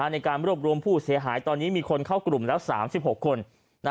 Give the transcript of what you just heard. ในการรวบรวมผู้เสียหายตอนนี้มีคนเข้ากลุ่มแล้ว๓๖คน